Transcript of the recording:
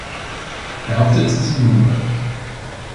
Der Hauptsitz ist in Mumbai.